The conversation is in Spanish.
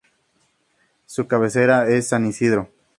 Su cabecera es San Isidro.